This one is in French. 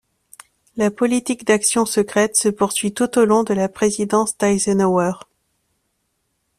La politique d'action secrète se poursuit tout au long de la présidence d'Eisenhower.